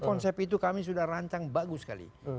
konsep itu kami sudah rancang bagus sekali